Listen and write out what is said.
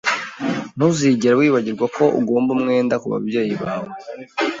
Ntuzigere wibagirwa ko ugomba umwenda kubabyeyi bawe.